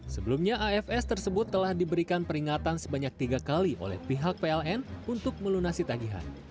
sebelumnya afs tersebut telah diberikan peringatan sebanyak tiga kali oleh pihak pln untuk melunasi tagihan